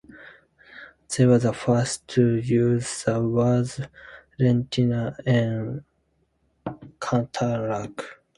They were the first to use the words 'retina' and 'cataract'.